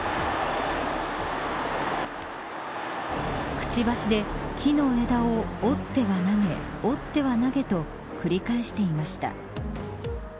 くちばしで木の枝を折っては投げ折っては投げと繰り返していました。